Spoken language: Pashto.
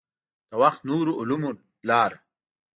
د وخت نورو علومو لاره.